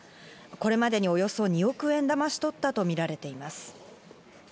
これまでにおよそ２億円だまし取ったとみられています。